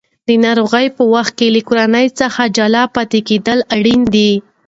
د ناروغۍ په وخت کې له کورنۍ څخه جلا پاتې کېدل اړین دي.